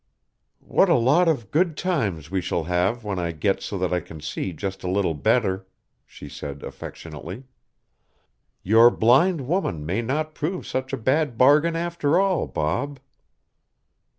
"What a lot of good times we shall have when I get so that I can see just a little better," she said affectionately. "Your blind woman may not prove such a bad bargain, after all, Bob."